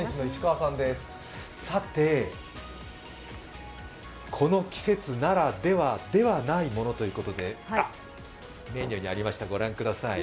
さてこの季節ならではではないものということで、メニューにありました、ご覧ください。